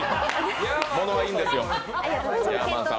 物はいいんですよ。